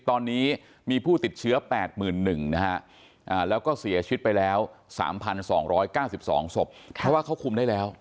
ตอนนี้มีผู้ติดเชื้อ๘๑๐๐นะฮะแล้วก็เสียชีวิตไปแล้ว๓๒๙๒ศพเพราะว่าเขาคุมได้แล้ว